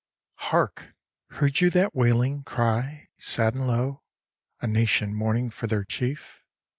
Hark! heard you that wailing cry, sad and low? A nation mourning for their chief?